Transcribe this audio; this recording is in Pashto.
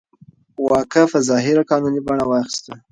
واک په ظاهره قانوني بڼه واخیسته.